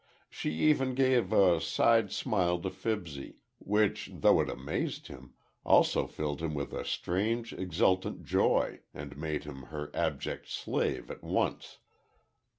She even gave a side smile to Fibsy, which, though it amazed him, also filled him with a strange exultant joy, and made him her abject slave at once.